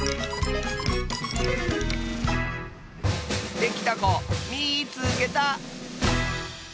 できたこみいつけた！